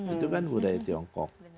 itu kan budaya tiongkok